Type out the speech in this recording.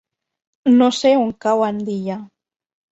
No sé on cau Andilla.